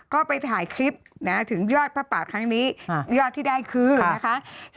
ก็ไปถ่ายคลิปถึงยอดพระป่าครั้งนี้ยอดที่ได้คือนะคะ